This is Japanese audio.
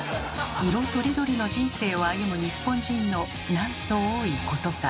色とりどりの人生を歩む日本人のなんと多いことか。